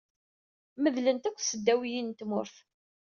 Medlent akk tesdawiyin n tmurt.